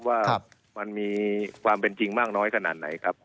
ว่ามันมีความเป็นจริงมากน้อยขนาดไหนครับ